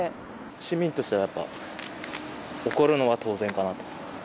市民としてやっぱ怒るのは当然かなと。